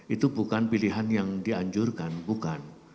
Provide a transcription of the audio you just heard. itu bukan pilihan yang dianjurkan bukan